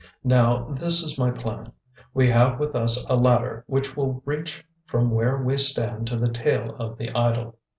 Now this is my plan. We have with us a ladder which will reach from where we stand to the tail of the idol.